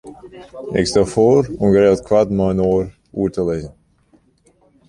Ik stel foar om geregeld koart mei-inoar oer te lizzen.